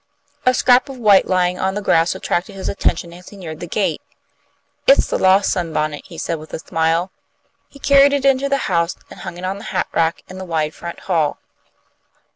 A scrap of white lying on the grass attracted his attention as he neared the gate. "It's the lost sunbonnet," he said, with a smile. He carried it into the house, and hung it on the hat rack in the wide front hall.